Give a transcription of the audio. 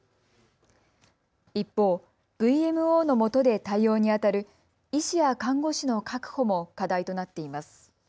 一方、ＶＭＯのもとで対応にあたる医師や看護師の確保も課題となっています。